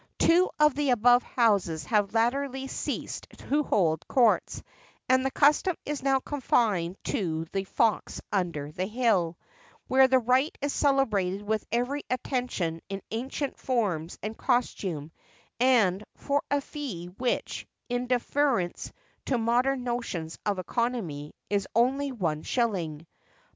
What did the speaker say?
Two of the above houses have latterly ceased to hold courts, and the custom is now confined to the 'Fox under the Hill,' where the rite is celebrated with every attention to ancient forms and costume, and for a fee which, in deference to modern notions of economy, is only one shilling.